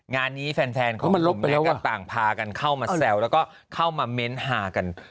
งานนี้แฟนต่างพากันเข้ามาแซวแล้วก็เข้ามาเม้นต์ฮากัน